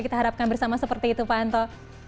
kita harapkan bersama seperti itu pak anto